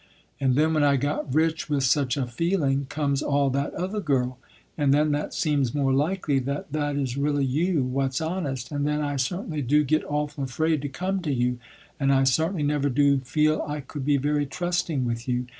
And then when I got rich with such a feeling, comes all that other girl, and then that seems more likely that that is really you what's honest, and then I certainly do get awful afraid to come to you, and I certainly never do feel I could be very trusting with you.